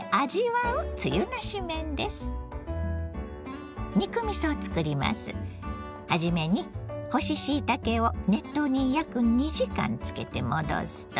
はじめに干ししいたけを熱湯に約２時間つけて戻すと。